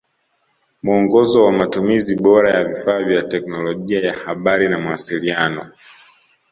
Muongozo wa Matumizi bora ya vifaa vya teknolojia ya habari na mawasiliano